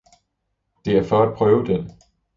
»Det er for at prøve den!